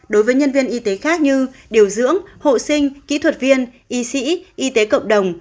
đối với nhân viên y tế khác như điều dưỡng hộ sinh kỹ thuật viên y sĩ y tế cộng đồng